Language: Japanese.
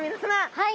はい。